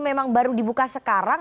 memang baru dibuka sekarang